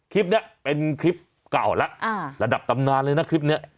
คลิปนี้เป็นคลิปเก่าแล้วระดับตำนานเลยนะคลิปนี้